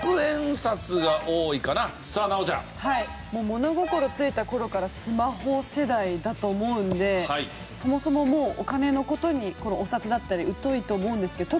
物心ついた頃からスマホ世代だと思うのでそもそももうお金の事にお札だったり疎いと思うんですけど